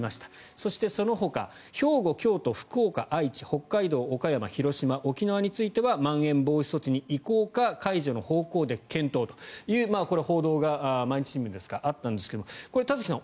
そしてそのほか兵庫、京都、福岡、愛知北海道、岡山、広島沖縄についてはまん延防止措置に移行か解除の方向で検討という報道が毎日新聞にあったんですがこれ、田崎さん